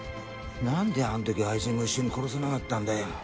なんであんとき愛人も一緒に殺さなかったんだよ。